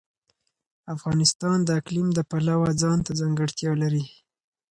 افغانستان د اقلیم د پلوه ځانته ځانګړتیا لري.